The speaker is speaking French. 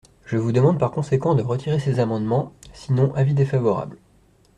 Je vous demande par conséquent de retirer ces amendements, sinon avis défavorable.